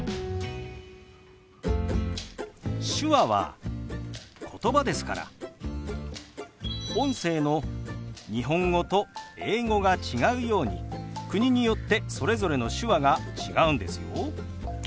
手話はことばですから音声の日本語と英語が違うように国によってそれぞれの手話が違うんですよ。